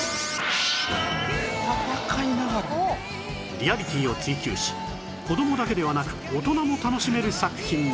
リアリティーを追求し子供だけではなく大人も楽しめる作品に